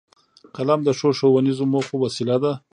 قلم د ښو ښوونیزو موخو وسیله ده